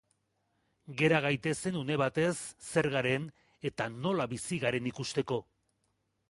Gera gaitezen une batez, zer garen, eta nola bizi garen ikusteko.